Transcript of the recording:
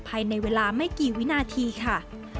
ภายในเวลาไม่กี่วินาทีค่ะ